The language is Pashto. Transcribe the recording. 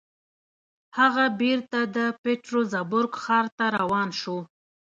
هغه بېرته د پیټرزبورګ ښار ته روان شو